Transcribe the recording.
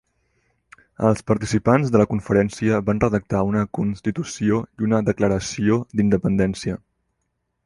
Els participants de la conferència van redactar una constitució i una declaració d'independència.